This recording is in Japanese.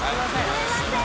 すみません。